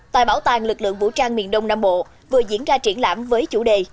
tại bảo tàng lực lượng vũ trang miền đông nam bộ vừa diễn ra triển lãm với chủ đề